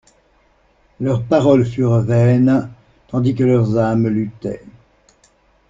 Leurs paroles furent vaines, tandis que leurs âmes luttaient.